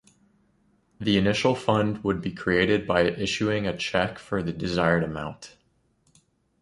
The initial fund would be created by issuing a cheque for the desired amount.